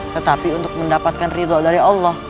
tetapi untuk mendapatkan ridho dari allah